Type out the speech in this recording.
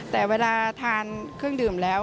แต่เวลาทานเครื่องดื่มแล้ว